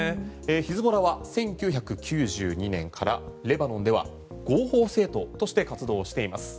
ヒズボラは１９９２年からレバノンでは合法政党として活動しています。